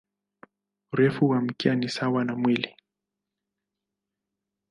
Urefu wa mkia ni sawa na mwili.